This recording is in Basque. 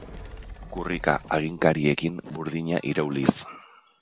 Kurrika haginkariekin burdina irauliz.